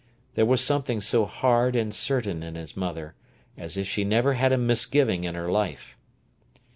There was something so hard and certain in his mother, as if she never had a misgiving in her life.